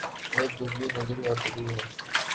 ایک جزو نظری اور فکری ہے۔